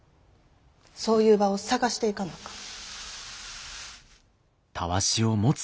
そういう場を探していかなあかん。